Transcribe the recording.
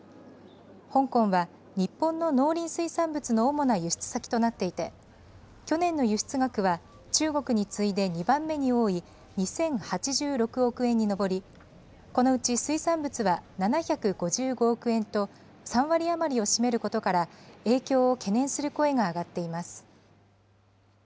香港は、日本の農林水産物の主な輸出先となっていて、去年の輸出額は、中国に次いで２番目に多い２０８６億円に上り、このうち水産物は７５５億円と、３割余りを占めることから、影響を懸念する声が上がっています。